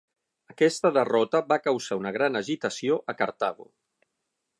Aquesta derrota va causar una gran agitació a Cartago.